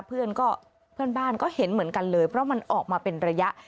เพื่อนก็เพื่อนบ้านก็เห็นเหมือนกันเลยเพราะมันออกมาเป็นระยะ